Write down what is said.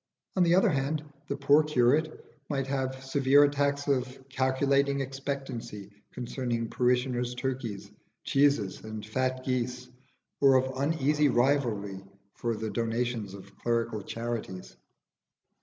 On the other hand, the poor curate might have severe attacks of calculating expectancy concerning parishioners' turkeys, cheeses, and fat geese, or of uneasy rivalry for the donations of clerical charities.